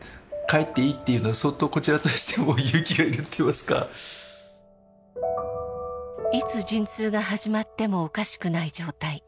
だから本当はいつ陣痛が始まってもおかしくない状態。